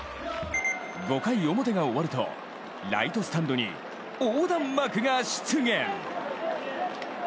５回表が終わると、ライトスタンドに横断幕が出現。